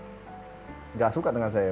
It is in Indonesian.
tidak suka dengan saya